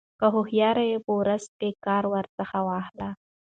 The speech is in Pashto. كه هوښيار يې په ورځ كار ورڅخه واخله